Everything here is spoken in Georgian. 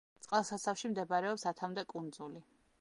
წყალსაცავში მდებარეობს ათამდე კუნძული.